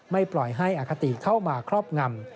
ปล่อยให้อคติเข้ามาครอบงำ